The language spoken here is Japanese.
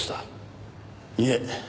いえ。